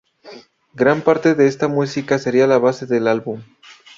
Gran parte de esta música sería la base del álbum.